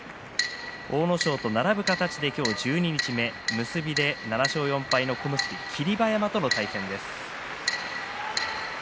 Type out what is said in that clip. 阿武咲と並ぶ形で今日十二日目結びで７勝４敗の小結霧馬山との対戦です。